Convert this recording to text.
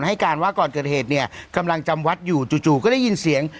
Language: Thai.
ให้การว่าก่อนเกิดเหตุเนี่ยกำลังจำวัดอยู่จู่ก็ได้ยินเสียง